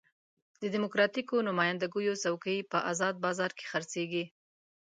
د ډیموکراتیکو نماینده ګیو څوکۍ په ازاد بازار کې خرڅېږي.